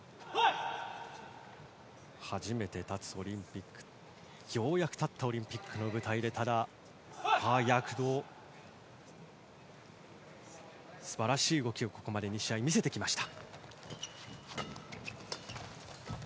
初めて立つオリンピックようやく立ったオリンピックの舞台で躍動素晴らしい動きをここまで２試合見せてきました。